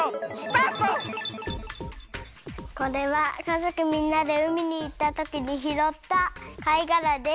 これはかぞくみんなでうみにいったときにひろったかいがらです。